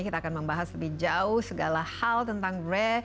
kita akan membahas lebih jauh segala hal tentang grab